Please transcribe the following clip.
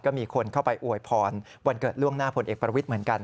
ก็มีคนเข้าไปอวยพรวันเกิดล่วงหน้าผลเอกประวิทย์เหมือนกัน